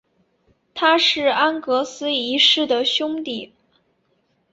他是安格斯一世的兄弟。